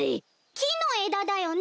きのえだだよね。